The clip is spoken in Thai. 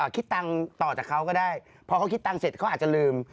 คิดตังค์ต่อจากเขาก็ได้พอเขาคิดตังค์เสร็จเขาอาจจะลืม